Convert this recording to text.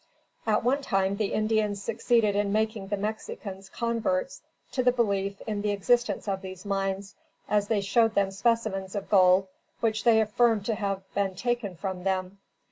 At one time, the Indians succeeded in making the Mexicans converts to the belief in the existence of these mines, as they showed them specimens of gold which they affirmed to have been taken from them.